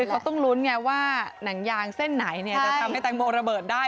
เขาต้องลุ้นไงว่าหนังยางเส้นไหนจะทำให้แตงโมระเบิดได้